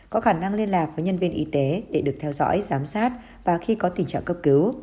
có khả năng liên lạc với nhân viên y tế để được theo dõi giám sát và khi có tình trạng cấp cứu